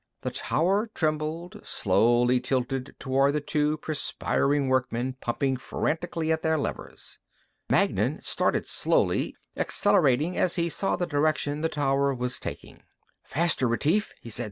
The tower trembled, slowly tilted toward the two perspiring workmen pumping frantically at their levers. Magnan started slowly, accelerated as he saw the direction the tower was taking. "Faster, Retief," he said.